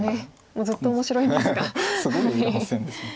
もうずっと面白いんですが。